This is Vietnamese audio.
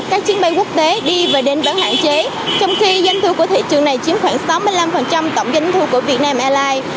các chuyến bay quốc tế đi và đến vẫn hạn chế trong khi doanh thu của thị trường này chiếm khoảng sáu mươi năm tổng doanh thu của vietnam airlines